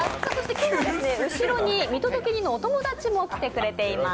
今日は後ろに見届け人のお友達も来てくれています。